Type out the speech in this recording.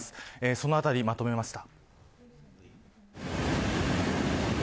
そのあたり，まとめました。